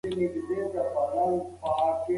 آیا د علم د نوښت لپاره فکر ډېر مهم دي؟